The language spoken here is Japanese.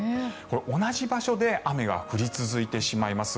同じ場所で雨が降り続いてしまいます。